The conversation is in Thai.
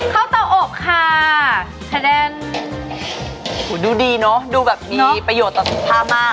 เข้าเตาอบค่าดูดีเนอะดูแบบมีประโยชน์ต่อสุขภาพมาก